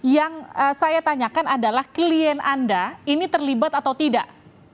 yang saya tanyakan adalah klien anda ini terlibat atau tidak